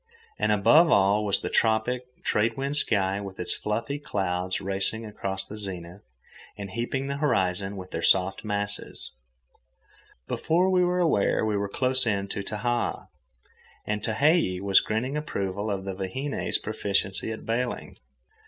And above all was the tropic, trade wind sky with its fluffy clouds racing across the zenith and heaping the horizon with their soft masses. Before we were aware, we were close in to Tahaa (pronounced Tah hah ah, with equal accents), and Tehei was grinning approval of the vahine's proficiency at bailing.